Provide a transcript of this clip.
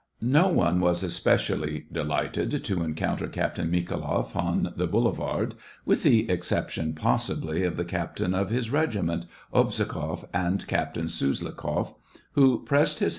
No one was especially delighted to encounter Captain Mikhailoff on the boulevard, with the exception, possibly, of the captain of his regiment, Obzhogoff, and Captain Suslikoff, who pressed his 46 SEVASTOPOL IN MAY.